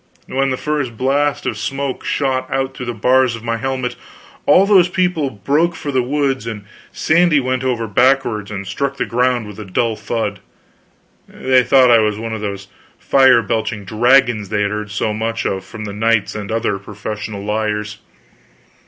When the first blast of smoke shot out through the bars of my helmet, all those people broke for the woods, and Sandy went over backwards and struck the ground with a dull thud. They thought I was one of those fire belching dragons they had heard so much about from knights and other professional liars.